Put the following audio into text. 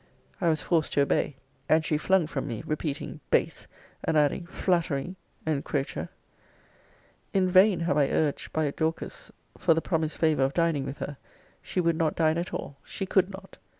I was forced to obey, and she flung from me, repeating base, and adding flattering, encroacher. In vain have I urged by Dorcas for the promised favour of dining with her. She would not dine at all. She could not.